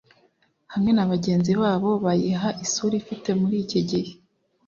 hamwe na bagenzi babo, bayiha isura ifite muri iki gihe.